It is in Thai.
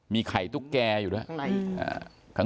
มีไข่ตุ๊กแกอยู่ด้วย